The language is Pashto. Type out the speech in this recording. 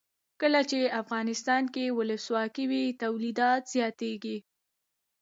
کله چې افغانستان کې ولسواکي وي تولیدات زیاتیږي.